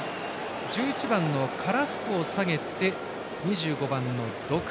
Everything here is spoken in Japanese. １１番のカラスコを下げて２５番のドク。